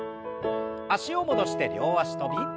脚を戻して両脚跳び。